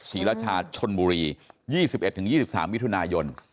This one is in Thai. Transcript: ศรีรชาชนบุรี๒๑๒๓มิย